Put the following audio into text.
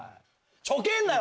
ちょけんなよ